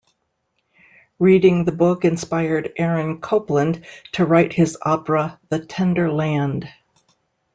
Reading the book inspired Aaron Copland to write his opera, "The Tender Land".